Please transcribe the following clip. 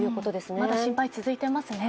まだ心配続いてますね。